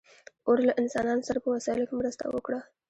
اور له انسانانو سره په وسایلو کې مرسته وکړه.